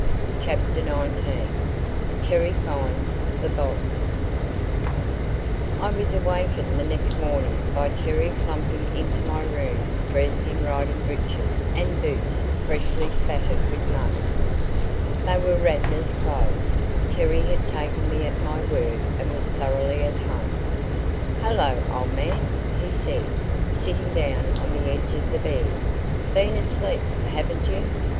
CHAPTER XIX TERRY FINDS THE BONDS I was wakened the next morning by Terry clumping into my room dressed in riding breeches and boots freshly spattered with mud. They were Radnor's clothes Terry had taken me at my word and was thoroughly at home. "Hello, old man!" he said, sitting down on the edge of the bed. "Been asleep, haven't you?